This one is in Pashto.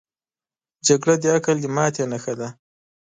جګړه د عقل د ماتې نښه ده